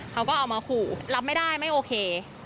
เขาก็เอามาขู่รับไม่ได้ไม่โอเค